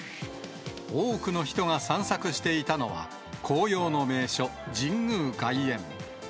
多くの人が散策していたのは、紅葉の名所、神宮外苑。